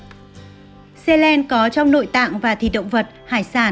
celand có trong nội tạng và thịt động vật hải sản